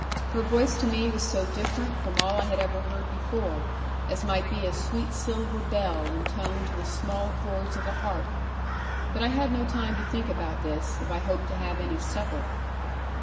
Her voice to me was so different from all I had ever heard before, as might be a sweet silver bell intoned to the small chords of a harp. But I had no time to think about this, if I hoped to have any supper.